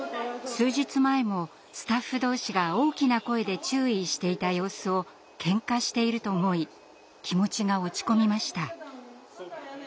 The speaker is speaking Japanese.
数日前もスタッフ同士が大きな声で注意していた様子をケンカしていると思い気持ちが落ち込みました。